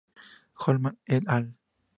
Holman "et al.